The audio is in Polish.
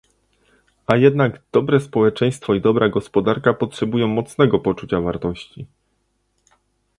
A jednak dobre społeczeństwo i dobra gospodarka potrzebują mocnego poczucia wartości